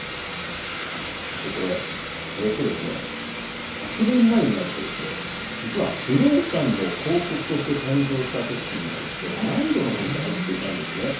これ、およそですね、１００年前になるとですね、実は不動産の広告として誕生したときには、ランドの文字が入っていたんですね。